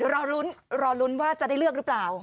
ค่ะอ่าเดี๋ยวรอรุ้นว่าจะได้เลือกหรือเปล่า